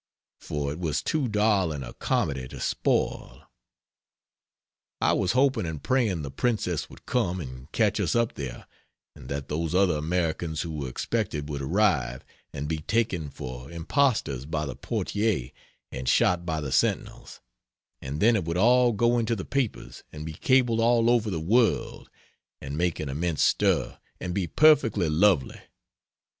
For it was too darling a comedy to spoil. I was hoping and praying the princess would come, and catch us up there, and that those other Americans who were expected would arrive, and be taken for impostors by the portier, and shot by the sentinels and then it would all go into the papers, and be cabled all over the world, and make an immense stir and be perfectly lovely.